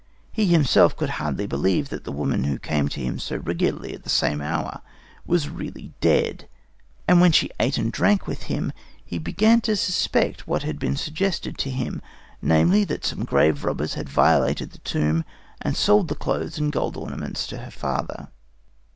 He himself could hardly believe that the woman who came to him so regularly at the same hour was really dead, and when she ate and drank with him, he began to suspect what had been suggested to him namely, that some grave robbers had violated the tomb and sold the clothes and the gold ornaments to her father.